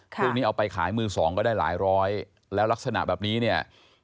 ช่วงนี้เอาไปขายมือสองก็ได้หลายร้อยแล้วลักษณะแบบนี้เนี่ย